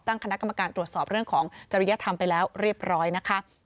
ตั้งคณะกรรมการตรวจสอบเรื่องของจริยธรรมไปแล้วเรียบร้อยนะคะ